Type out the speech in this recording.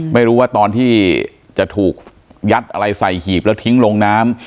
ไม่รู้ว่าตอนที่จะถูกยัดอะไรใส่หีบแล้วทิ้งลงน้ำ